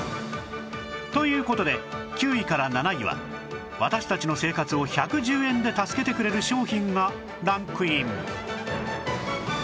という事で９位から７位は私たちの生活を１１０円で助けてくれる商品がランクイン